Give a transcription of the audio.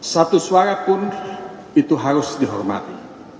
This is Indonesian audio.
satu suara pun itu harus dihormati